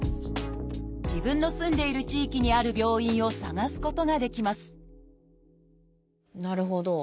自分の住んでいる地域にある病院を探すことができますなるほど。